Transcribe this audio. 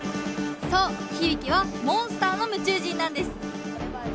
そうヒビキはモンスターの夢中人なんです